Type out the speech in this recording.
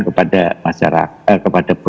kepada masyarakat kepada